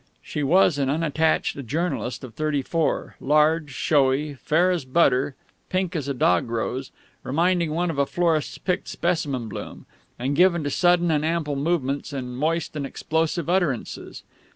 She was an unattached journalist of thirty four, large, showy, fair as butter, pink as a dog rose, reminding one of a florist's picked specimen bloom, and given to sudden and ample movements and moist and explosive utterances.